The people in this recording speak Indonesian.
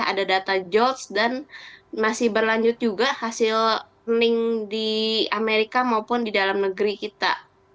ada data george dan masih berlanjut juga hasil ning di amerika maupun di dalam negeri kita